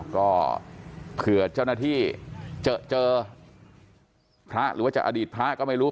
ก็เผื่อเจ้าหน้าที่เจอพระหรือว่าจะอดีตพระก็ไม่รู้